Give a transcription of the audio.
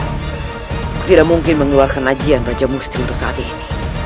tidak mungkin mengeluarkan lajian raja musti untuk saat ini